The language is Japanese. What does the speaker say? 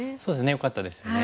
よかったですよね。